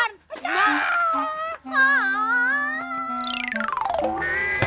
eh pada nangkok lu ya